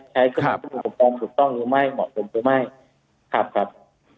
ใช้กระทั่งควบความถูกต้องหรือไม่เหมาะจนหรือไม่ครับครับ